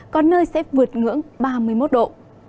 có nơi sẽ vượt ngưỡng ba mươi một độ